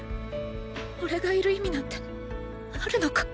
おれがいる意味なんてあるのか？